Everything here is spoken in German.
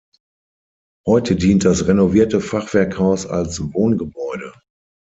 Heute dient das renovierte Fachwerkhaus als Wohngebäude.